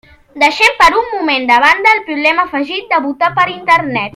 Deixem per un moment de banda el problema afegit de votar per Internet.